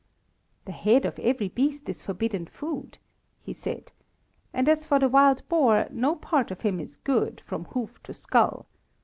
"The head of every beast is forbidden food," he said; "and as for the wild boar, no part of him is good, from hoof to scull.